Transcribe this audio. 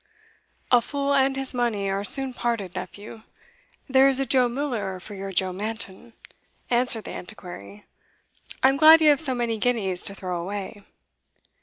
"A fool and his money are soon parted, nephew there is a Joe Miller for your Joe Manton," answered the Antiquary; "I am glad you have so many guineas to throw away."